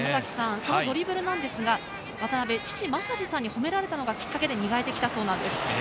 そのドリブルですが、渡辺父・まさじさんに褒められたのがきっかけで磨いてきたそうです。